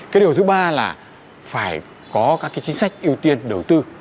cái điều thứ ba là phải có các cái chính sách ưu tiên đầu tư